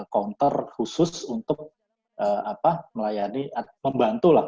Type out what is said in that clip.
counter khusus untuk melayani membantu lah